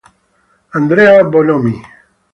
Andrea Bonomi